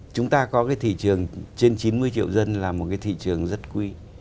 chúng ta có cái thị trường trên chín mươi triệu dân là một cái thị trường rất quý